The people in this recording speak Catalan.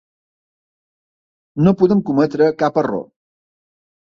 No podem cometre cap error.